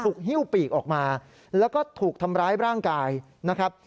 หิ้วปีกออกมาแล้วก็ถูกทำร้ายร่างกายนะครับ